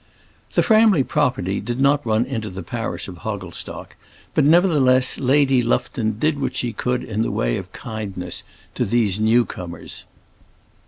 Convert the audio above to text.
The Framley property did not run into the parish of Hogglestock; but nevertheless Lady Lufton did what she could in the way of kindness to these new comers.